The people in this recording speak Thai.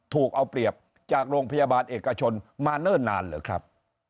ถูกเอาเปรียบจากโรงพยาบาลเอกชนมาเนิ่นนานหรือครับ